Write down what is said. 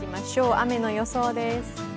雨の予想です。